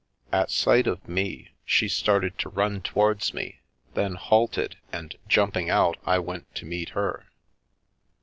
At sight of me, she started to run towards me, then halted, and jumping out, I went to meet her.